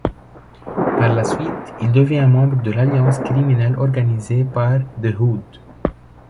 Par la suite, il devient membre de l'alliance criminelle organisée par The Hood.